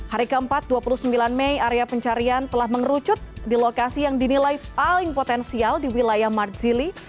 hari keempat dua puluh sembilan mei area pencarian telah mengerucut di lokasi yang dinilai paling potensial di wilayah marzili